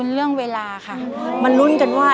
เรื่องเวลาค่ะ